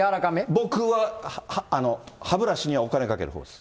僕は歯ブラシにはお金かけるほうです。